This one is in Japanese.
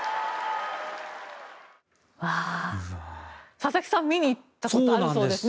佐々木さん見に行ったことあるそうですね